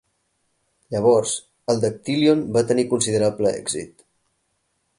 Llavors el dactílion va tenir un considerable èxit.